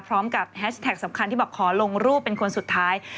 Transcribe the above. พร้อมกับแฮชแท็กสำคัญที่แบบขอลงรูปเป็นคนสุดท้าย